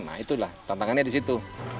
nah itulah tantangannya di situ